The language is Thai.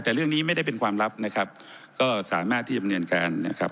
แต่เรื่องนี้ไม่ได้เป็นความลับนะครับก็สามารถที่ดำเนินการนะครับ